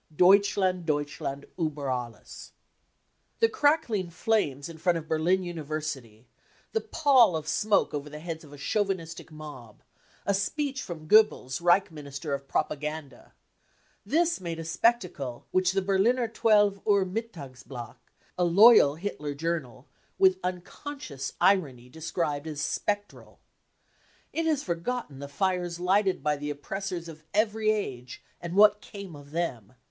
" Deustchland, Deutschland iiber alles ! 55 The crackling flames in front of Berlin University, the pall of smoke over the heads of a chauvinistic mob, a speech from Goebbels, Reich Minister of Propaganda — this made a spectacle which the Berliner 12 Uhr Mittagshlatt , a loyal Hitler journal, with unconscious irony described as " spectral." It has forgotten the fires lighted by the oppres sors of every age, and what came of them.